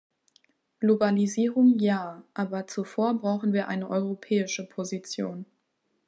Globalisierung ja, aber zuvor brauchen wir eine europäische Position.